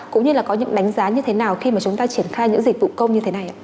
cũng như là có những đánh giá như thế nào khi mà chúng ta triển khai những dịch vụ công như thế này ạ